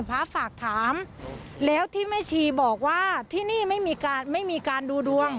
ฟ้าฝากถามแล้วที่แม่ชีบอกว่าที่นี่ไม่มีการดูดวง